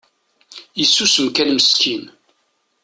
Isusem kan meskin.